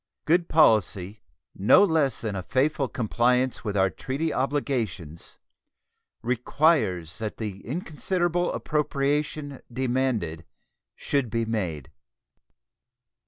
Good policy, no less than a faithful compliance with our treaty obligations, requires that the inconsiderable appropriation demanded should be made.